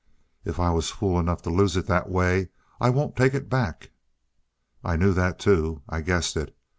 "If I was fool enough to lose it that way, I won't take it back." "I knew that, too I guessed it.